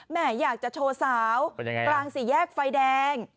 อยากจะโชว์สาวกลางสี่แยกไฟแดง